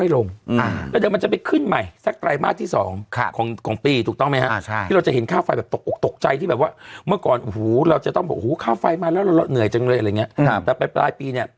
แล้วเราเหนื่อยจังเลยอะไรอย่างเงี้ยครับแต่ไปปลายปีเนี้ย